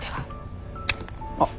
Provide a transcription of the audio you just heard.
あっ。